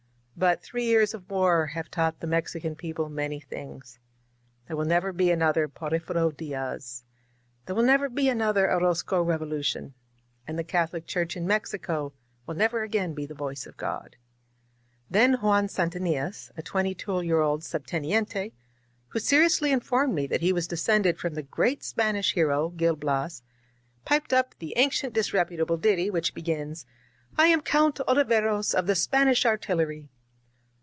But three years of war have taught the Mexican people many things. There will never be another Porfirio Diaz; there will never be another Orozco Revolution ; and the Catholic Church in Mexico will never again be the voice of God. Then Juan Santillanes, a twenty two year old svb^ tenientey who seriously informed me that he was de scended from the great Spanish hero, Gil Bias, piped up the ancient disreputable ditty, which begins: * "J am Cowat OUveros Of the Spanish artillery.